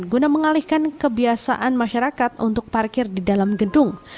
guna mengalihkan kebiasaan masyarakat untuk parkir di dalam gedung